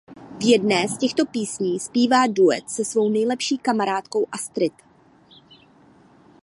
V jedné z těchto písní zpívá duet se svou nejlepší kamarádkou Astrid.